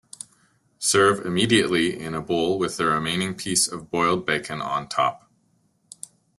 Serve immediately in a bowl with the remaining piece of boiled bacon on top.